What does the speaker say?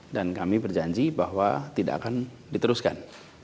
dan kami berjanji bahwa tidak akan diteruskan